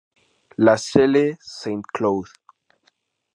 La Celle-Saint-Cloud